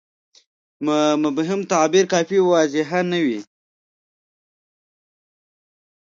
مبهم تعبیر کافي واضحه نه وي.